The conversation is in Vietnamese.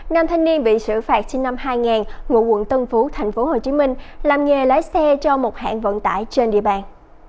nam thanh niên bị xử phạt sinh năm hai nghìn ngụ quận tân phú tp hcm làm nghề lái xe cho một hãng vận tải trên địa bàn